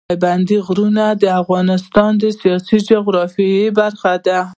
پابندی غرونه د افغانستان د سیاسي جغرافیه برخه ده.